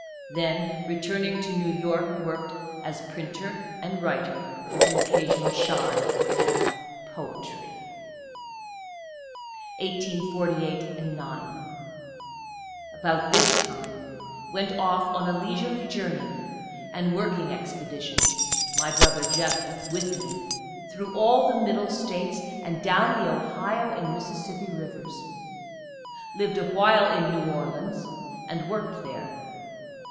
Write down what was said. Then, returning to New York, worked as printer and writer, (with an occasional shy at "poetry.") 1 848 ' 9. — About this time went off on a leisurely journey and working ex pedition (my brother Jeff with me,) through all the Middle States, and down the Ohio and Mississippi rivers. Lived a while in New Orleans, and worked there.